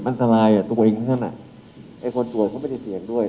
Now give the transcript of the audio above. มันสลายอ่ะตัวเองทั้งทั้งนั้นอ่ะไอ้คนตรวจเขาไม่ได้เสี่ยงด้วย